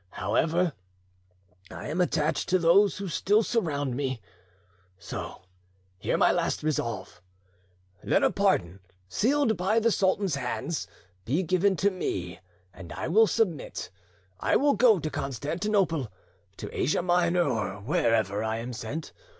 However, I am attached to those who still surround me, so hear my last resolve. Let a pardon, sealed by the sultan's hands, be given me, and I will submit. I will go to Constantinople, to Asia Minor, or wherever I am sent.